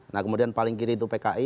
nah kemudian paling kiri itu pki